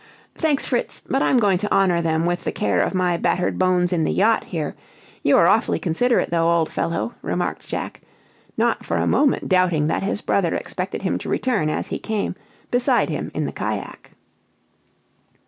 "Thanks, Fritz! but I'm going to honor them with the care of my battered bones in the yacht here. You are awfully considerate though, old fellow," remarked Jack, not for a moment doubting that his brother expected him to return, as he came, beside him in the cajack.